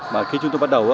mà khi chúng tôi bắt đầu